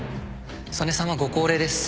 曽根さんはご高齢です。